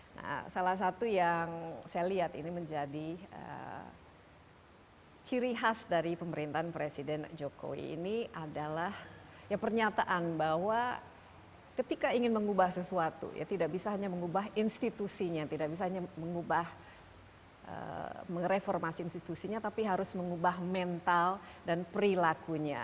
nah salah satu yang saya lihat ini menjadi ciri khas dari pemerintahan presiden jokowi ini adalah ya pernyataan bahwa ketika ingin mengubah sesuatu ya tidak bisa hanya mengubah institusinya tidak bisa hanya mengubah reformasi institusinya tapi harus mengubah mental dan perilakunya